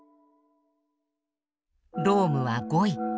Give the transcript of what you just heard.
ロームは５位。